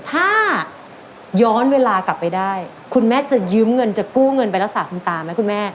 ถ้าย้อนเวลากลับไปได้คุณแม่จะยืมเงินจะกู้เงินไปรักษาคุณตาไหมคุณแม่